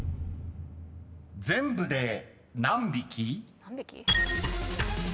［全部で何匹？］